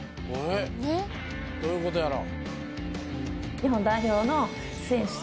えっどういうことやろ？